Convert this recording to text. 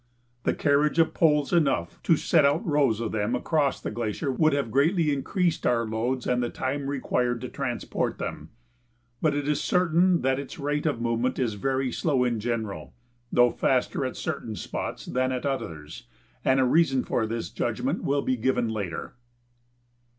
The carriage of poles enough to set out rows of them across the glacier would have greatly increased our loads and the time required to transport them. But it is certain that its rate of movement is very slow in general, though faster at certain spots than at others, and a reason for this judgment will be given later. [Illustration: Bridging a crevasse on the Muldrow Glacier.